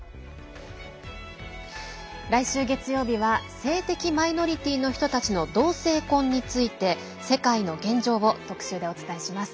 来週月曜日は性的マイノリティーの人たちの同性婚について世界の現状を特集でお伝えします。